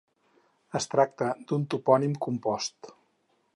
Es tracta d'un topònim compost.